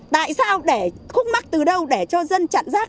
tại sao để khúc mắc từ đâu để cho dân chặn rác